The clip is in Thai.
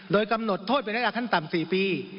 โดยกำหนดโทษเป็นระยะขั้นต่ำ๔ปี